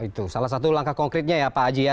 itu salah satu langkah konkretnya ya pak haji ya